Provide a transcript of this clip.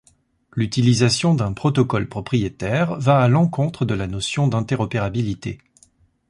L'utilisation d'un protocole propriétaire va à l'encontre de la notion d'interopérabilité.